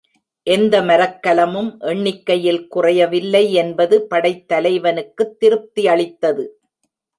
எந்த மரக்கலமும் எண்ணிக்கையில் குறையவில்லை என்பது படைத் தலைவனுக்குத் திருப்தியளித்தது.